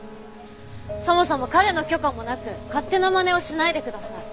そもそも彼の許可もなく勝手なまねをしないでください。